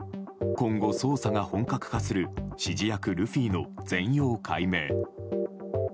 今後、捜査が本格化する指示役ルフィの全容解明。